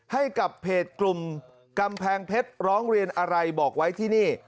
ให้กับเพจกลุ่มกำแพงเพชรร้องเรียนอะไรบอกไว้ที่นี่